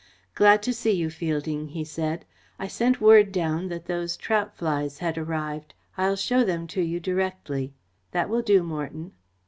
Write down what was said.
"Glad to see you, Fielding," he said. "I sent word down that those trout flies had arrived. I'll show them to you directly. That will do, Morton."